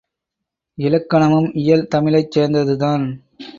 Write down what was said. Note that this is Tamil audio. இலக்கணமும் இயல் தமிழைச் சேர்ந்ததுதான்.